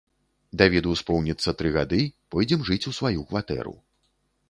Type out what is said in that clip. Давіду споўніцца тры гады, пойдзем жыць у сваю кватэру.